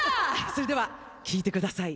それでは聴いてください。